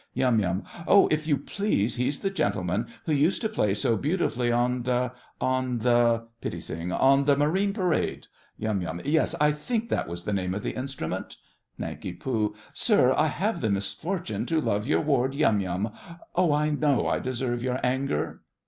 YUM. Oh, if you please he's the gentleman who used to play so beautifully on the—on the— PITTI. On the Marine Parade. YUM. Yes, I think that was the name of the instrument. NANK. Sir, I have the misfortune to love your ward, Yum Yum—oh, I know I deserve your anger!